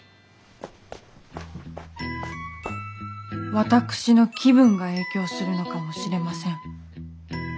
私の気分が影響するのかもしれません。